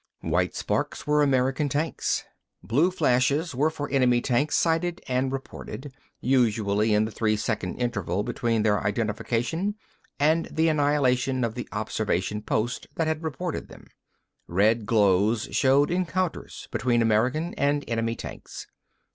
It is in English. White sparks were American tanks. Blue flashes were for enemy tanks sighted and reported, usually in the three second interval between their identification and the annihilation of the observation post that had reported them. Red glows showed encounters between American and enemy tanks.